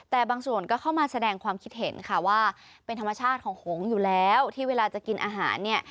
แต่บางส่วนก็เข้ามาแสดงความคิดเห็นค่ะว่าเป็นธรรมชาติของหงอยู่แล้วที่เวลาจะกินอาหารเนี่ย